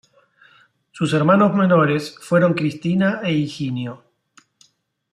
Sus hermanos menores fueron Cristina e Higinio.